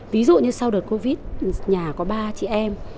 ví dụ như sau đợt covid nhà có ba chị em